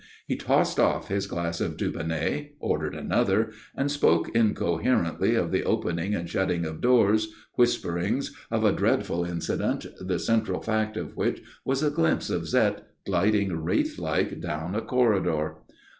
He tossed off his glass of Dubonnet, ordered another, and spoke incoherently of the opening and shutting of doors, whisperings, of a dreadful incident, the central fact of which was a glimpse of Zette gliding wraith like down a corridor.